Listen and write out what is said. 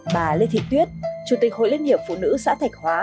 bà lê thị tuyết chủ tịch hội liên hiệp phụ nữ xã thạch hóa